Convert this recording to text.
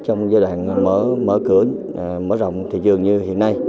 trong giai đoạn mở mở cửa mở rộng thị trường như hiện nay